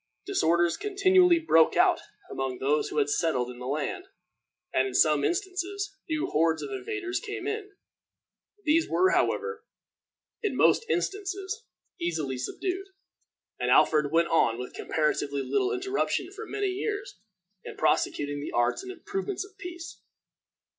Disorders continually broke out among those who had settled in the land, and, in some instances, new hordes of invaders came in. These were, however, in most instances, easily subdued, and Alfred went on with comparatively little interruption for many years, in prosecuting the arts and improvements of peace.